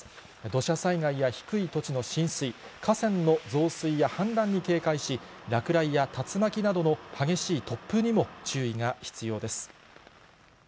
土砂災害や低い土地の浸水、河川の増水や氾濫に警戒し、落雷や竜巻などの激しい突風にも注意が必要です。